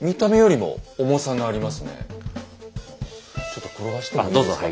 ちょっと転がしてもいいですか？